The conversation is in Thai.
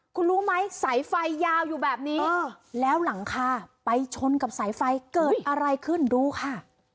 คุณรู้ไหมสายไฟยาวอยู่แบบนี้แล้วหลังคาไปชนกับสายไฟเกิดอะไรขึ้นดูค่ะ